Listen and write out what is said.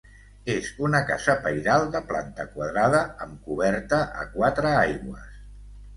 És una casa pairal de planta quadrada amb coberta a quatre aigües.